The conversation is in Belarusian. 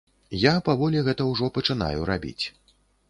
Я паволі гэта ўжо пачынаю рабіць.